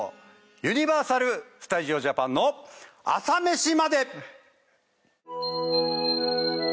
ユニバーサル・スタジオ・ジャパンの『朝メシまで。』！